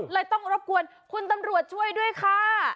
ต้องรบกวนคุณตำรวจช่วยด้วยค่ะ